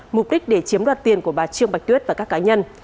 mục đích để chiếm đoạt tiền của bà trương bạch tuyết và các cá nhân